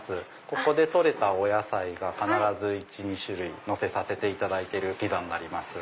ここで採れたお野菜が必ず１２種類のせさせていただいてるピザになります。